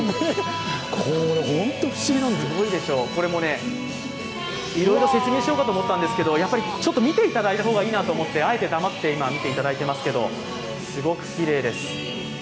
これもいろいろ説明しようかと思ったんですけど見ていただいた方がいいなと思って、あえて黙って見ていただいていますが、すごくきれいです。